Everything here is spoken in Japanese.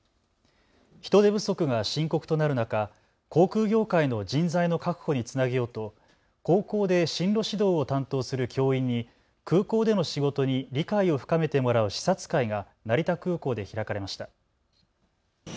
人手不足が深刻となる中、航空業界の人材の確保につなげようと高校で進路指導を担当する教員に空港での仕事に理解を深めてもらう視察会が成田空港で開かれました。